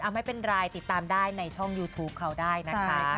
เอาให้เป็นไลน์ติดตามได้ในช่องยูทูปเขาได้นะคะ